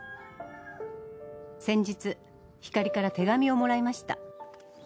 先日ひかりから手紙をもらいました。